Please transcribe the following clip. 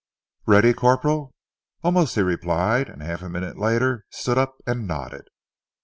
"Ready, Corporal?" "Almost," he replied, and half a minute later stood up and nodded.